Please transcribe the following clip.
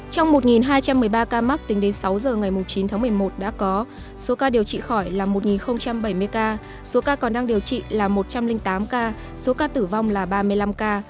trong một hai trăm một mươi ba ca mắc tính đến sáu giờ ngày chín tháng một mươi một đã có số ca điều trị khỏi là một bảy mươi ca số ca còn đang điều trị là một trăm linh tám ca số ca tử vong là ba mươi năm ca